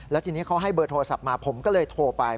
แล้วทีนี้เขาให้เบอร์โทรศัพท์มาผมก็เลยโทรไป